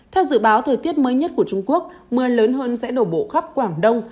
theo dự báo thời tiết mới nhất của trung quốc mưa lớn hơn sẽ đổ bộ khắp quảng đông